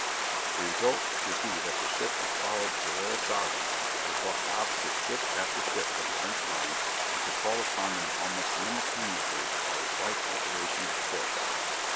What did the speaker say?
The result would be that the ships that followed the "Royal Sovereign" were brought opposite ship after ship of the French line and could fall upon them almost simultaneously by a slight alteration of the course.